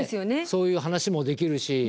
そういう話もできるし。